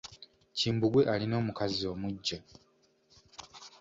Kimbugwe alina omukazi omuggya.